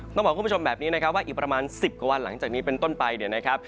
ต้องบอกคุณผู้ชมแบบนี้นะครับว่าอีกประมาณ๑๐กว่าวันหลังจากนี้เป็นต้นไปเนี่ยนะครับ